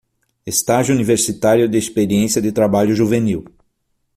Estágio Universitário de Experiência de Trabalho Juvenil